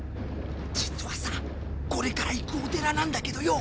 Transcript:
実はさこれから行くお寺なんだけどよ